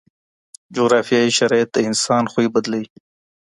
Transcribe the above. جغرافیایي شرایط د انسان خوی بدلوي.